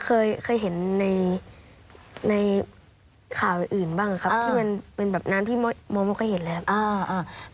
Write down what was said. เคยเห็นในข่าวอื่นบ้างครับที่มันน้ำที่โมโมก็เห็นแล้วครับ